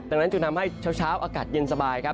ดังนั้นจึงทำให้เช้าอากาศเย็นสบายครับ